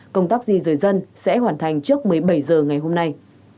công tác di rời dân sẽ hoàn thành trước một mươi bảy h ngày hôm nay